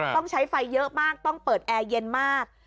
ต้องใช้ไฟเยอะมากต้องเปิดแอร์เย็นมาก